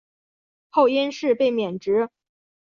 后因事被免职。